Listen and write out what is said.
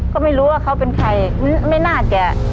ก็ไม่รู้ว่าเขาเป็นใครไม่น่าจะ